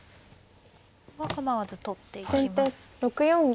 ここは構わず取っていきます。